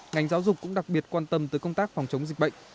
ngành giáo dục cũng đặc biệt quan tâm tới công tác phòng chống dịch bệnh